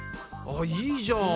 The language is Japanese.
あいいじゃん。